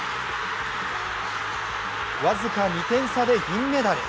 僅か２点差で銀メダル。